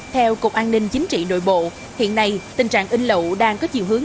theo cục an ninh chính trị nội bộ hiện nay tình trạng in lậu đang có chiều hướng